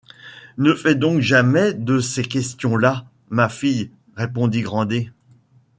Ne fais donc jamais de ces questions-là, ma fille, répondit Grandet.